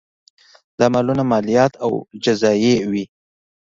دا مالونه مالیات او جزیې وې